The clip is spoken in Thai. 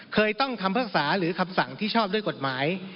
เคยต้องคำพิพากษาหรือคำสั่งที่ชอบด้วยกฎหมาย